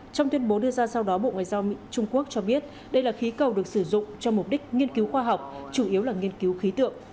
trong tuyên bố đưa ra sau đó bộ ngoại giao trung quốc cho biết đây là khí cầu được sử dụng cho mục đích nghiên cứu khoa học chủ yếu là nghiên cứu khí tượng